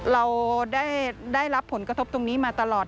เราได้รับผลกระทบตรงนี้มาตลอด